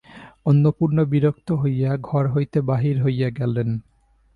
অন্নপূর্ণা বিরক্ত হইয়া ঘর হইতে বাহির হইয়া গেলেন।